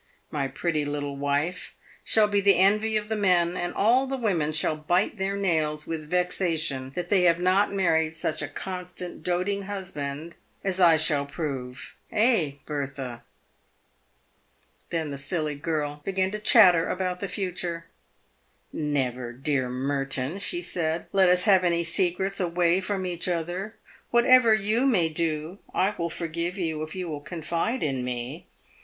My pretty little wife shall be the envy of the men, and all the women shall bite their nails with vexation that they have not married such a constant, doting husband, as I shall prove— eh, Bertha ?" Then the silly girl began to chatter about the future. " Never, dear Merton," she said, "let us have any secrets away from each other. Whatever you may do, I will forgive you, if you will confide in me.